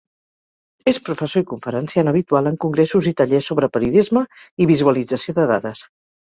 És professor i conferenciant habitual en congressos i tallers sobre periodisme i visualització de dades.